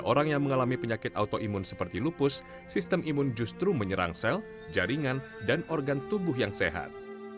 orang yang mengalami penyakit autoimun seperti lupus sistem imun justru menyerang sel jaringan dan organ tubuh yang sehat